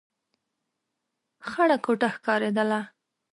خړه کوټه ښکارېدله.